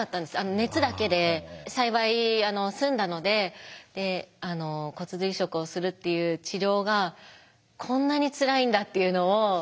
熱だけで幸い済んだのでで骨髄移植をするっていう治療がこんなにつらいんだっていうのを。